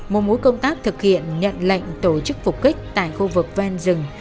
một mối công tác thực hiện nhận lệnh tổ chức phục kích tại khu vực ven rừng